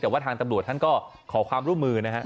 แต่ว่าทางตำรวจก็ขอความร่วมมือ